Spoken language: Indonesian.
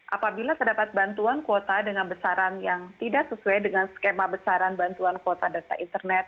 apabila terdapat bantuan kuota dengan besaran yang tidak sesuai dengan skema besaran bantuan kuota data internet